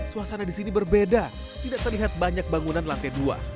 suasana di sini berbeda tidak terlihat banyak bangunan lantai dua